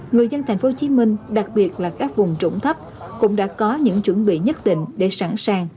người dân tp hcm đặc biệt là các vùng trũng thấp cũng đã có những chuẩn bị nhất định để sẵn sàng